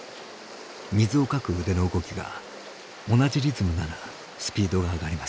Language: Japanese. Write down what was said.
水をかく腕の動きが同じリズムならスピードが上がります。